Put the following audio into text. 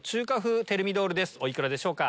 お幾らでしょうか？